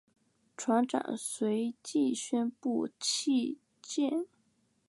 船长随即宣布弃舰。